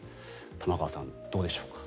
玉川さん、どうでしょうか。